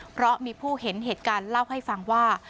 เพราะมีผู้เห็นเหตุการณ์เล่าให้ฟังว่า